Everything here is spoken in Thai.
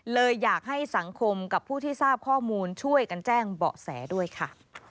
เลยอยากให้สังคมกับผู้ที่ทราบข้อมูลช่วยกันแจ้งเบาะแสด้วยค่ะ